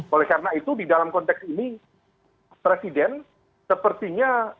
oleh karena itu di dalam konteks ini presiden sepertinya